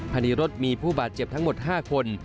ในรถมีผู้บาดเจ็บทั้งหมด๕คน